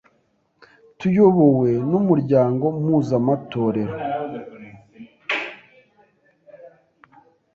tuyobowe n’umuryango mpuzamatorero,